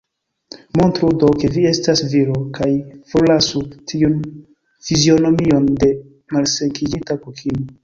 Montru do, ke vi estas viro, kaj forlasu tiun fizionomion de malsekiĝinta kokino.